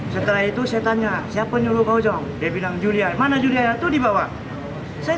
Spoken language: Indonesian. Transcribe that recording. setelah itu saya tanya siapa nyuruh kau cong dia bilang julia mana yulia itu di bawah saya